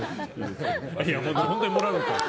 本当にもらうのか。